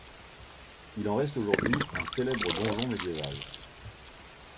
Il en reste aujourd'hui un célèbre donjon médiéval.